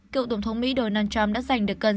cựu tổng thống mỹ donald trump đã giành được gần sáu mươi